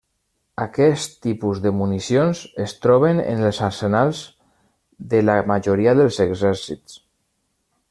Aquest tipus de municions es troben en els arsenals de la majoria dels exèrcits.